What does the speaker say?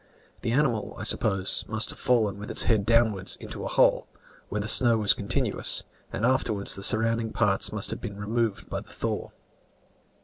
The animal, I suppose, must have fallen with its head downward into a hole, when the snow was continuous, and afterwards the surrounding parts must have been removed by the thaw.